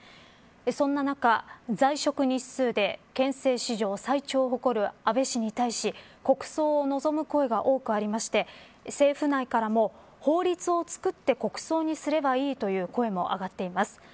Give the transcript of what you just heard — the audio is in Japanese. そんな中、在職日数で憲政史上最長を誇る安倍氏に対し国葬を望む声が多くありまして政府内からも法律を作って国葬にすればいいという声も上がっています。